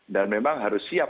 dan memang harus siap